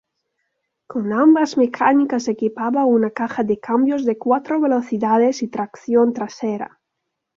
Con ambas mecánicas equipaba una caja de cambios de cuatro velocidades y tracción trasera.